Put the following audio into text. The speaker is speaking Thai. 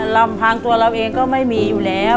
ลำพังตัวเราเองก็ไม่มีอยู่แล้ว